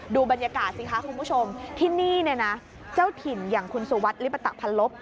ดูบรรยากาศสิคะคุณผู้ชมที่นี่เนี่ยนะเจ้าถิ่นอย่างคุณสุวัสดิลิปตะพันลบ